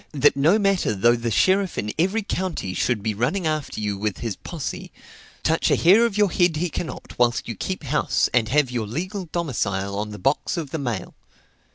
that no matter though the sheriff in every county should be running after you with his posse, touch a hair of your head he cannot whilst you keep house, and have your legal domicile on the box of the mail.